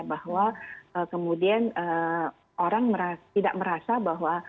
bahwa kemudian orang tidak merasa bahwa